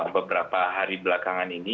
beberapa hari belakangan ini